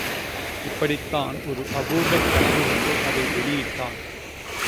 இப்படித்தான் ஒரு அபூர்வக் கனவு கண்டு அதை வெளியிட்டான்.